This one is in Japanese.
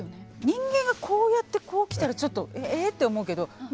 人間がこうやってこう来たらちょっと「ええ？」って思うけどま